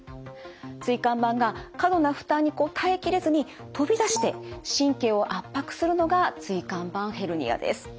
椎間板が過度な負担に耐え切れずに飛び出して神経を圧迫するのが椎間板ヘルニアです。